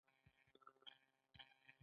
فزیکي موډل د کاغذ څخه جوړیږي.